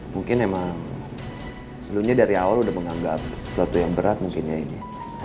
mungkin emang sebelumnya dari awal udah menganggap sesuatu yang berat mungkin ya ini